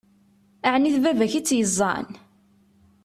Ɛni d baba-k i tt-yeẓẓan?